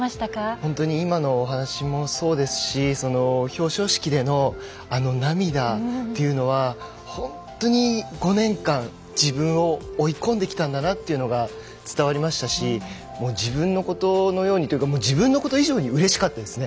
本当に今のお話もそうですし表彰式でのあの涙というのは本当に５年間、自分を追い込んできたんだなというのが伝わりましたし自分のことのようにというか自分のこと以上にうれしかったですね